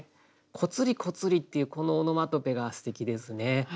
「こつりこつり」っていうこのオノマトペがすてきですね。